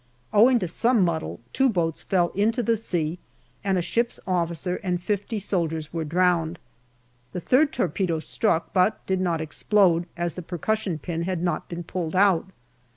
Owing to some muddle, two boats fell into the sea and a ship's officer and fifty soldiers were drowned. The third torpedo struck, but did not explode, as the percussion pin had not been pulled out.